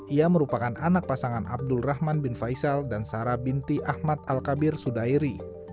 ia merupakan anak pasangan abdul rahman bin faisal dan sarah binti ahmad al kabir sudairi